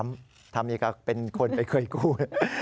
ทำอย่างนี้ครับเป็นคนไปเคยกู้